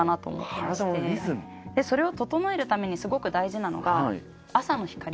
それを整えるためにすごく大事なのが朝の光。